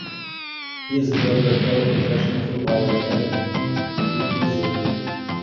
He is the brother of fellow professional footballer Kevin Bukusu.